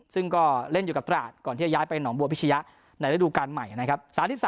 ซึ่งก็เล่นอยู่กับตราดก่อนที่จะย้ายไปหนองบัวพิชยะในระดูการใหม่นะครับ